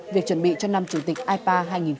việc chuẩn bị cho năm chủ tịch ipa hai nghìn hai mươi